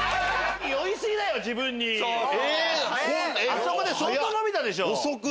あそこで相当伸びたでしょ。